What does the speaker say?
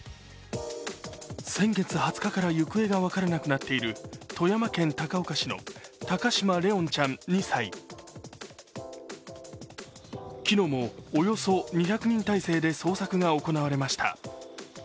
先月２０日から行方が分からなくなっている富山県高岡市の高嶋怜音ちゃん２歳昨日もおよそ２００人体制で捜索が行われました。